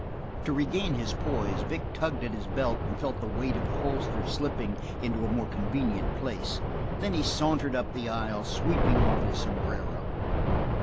To regain his poise, Vic tugged at his belt and felt the weight of the holster slipping into a more convenient place, then he sauntered up the aisle, sweeping off his sombrero.